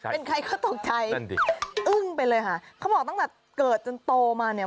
เป็นใครก็ตกใจนั่นดิอึ้งไปเลยค่ะเขาบอกตั้งแต่เกิดจนโตมาเนี่ย